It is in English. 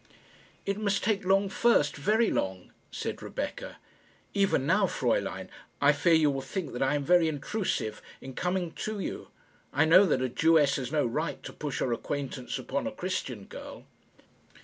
"It must take long first very long," said Rebecca. "Even now, Fraeulein, I fear you will think that I am very intrusive in coming to you. I know that a Jewess has no right to push her acquaintance upon a Christian girl."